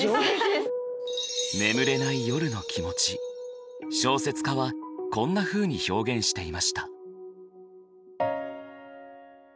眠れない夜の気持ち小説家はこんなふうに表現していました。